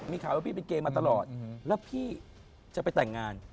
มีข่าวว่าพี่เป็นเกย์มาตลอดแล้วพี่จะไปแต่งงาน